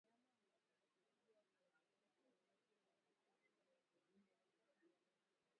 Mnyama hujisugua kwenye kuta miti na vitu vingine vilivyosimama